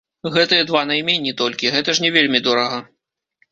Гэтыя два найменні толькі, гэта ж не вельмі дорага.